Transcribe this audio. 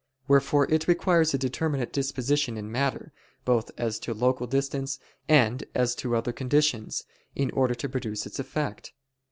Wherefore it requires a determinate disposition in matter, both as to local distance and as to other conditions, in order to produce its effect.